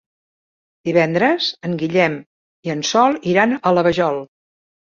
Divendres en Guillem i en Sol iran a la Vajol.